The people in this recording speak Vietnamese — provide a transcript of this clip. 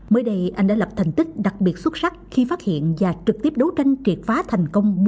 mới đây anh đã lập thành tích đặc biệt xuất sắc khi phát hiện và trực tiếp đấu tranh triệt phá thành công